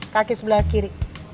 kaki sebelah kiri